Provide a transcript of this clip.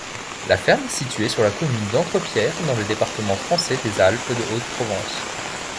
La ferme est située sur la commune d'Entrepierres, dans le département français des Alpes-de-Haute-Provence.